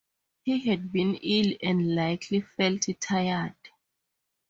He had been ill and likely felt tired.